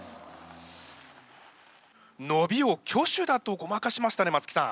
伸びを挙手だとごまかしましたね松木さん。